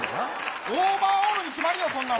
オーバーオールに決まりよ、そんなの。